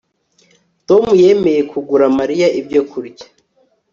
Tom yemeye kugura Mariya icyo kunywa